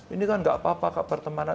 ini kan gak apa apa kok pertemanan